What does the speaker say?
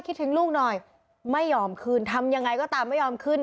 คิดถึงลูกหน่อยไม่ยอมคืนทำยังไงก็ตามไม่ยอมขึ้น